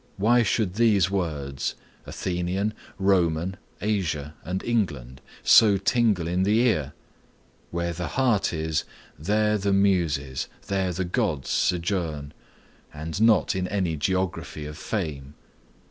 Why should these words, Athenian, Roman, Asia and England, so tingle in the ear? Where the heart is, there the muses, there the gods sojourn, and not in any geography of fame.